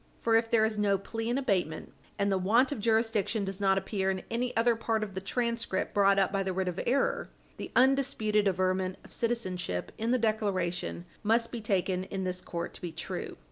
For if there is no plea in abatement, and the want of jurisdiction does not appear in any other part of the transcript brought up by the writ of error, the undisputed averment of citizenship in the declaration must be taken in this court to be true.